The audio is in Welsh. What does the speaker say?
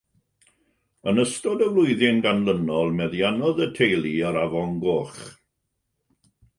Yn ystod y flwyddyn ganlynol, meddiannodd y teulu yr Afon Goch.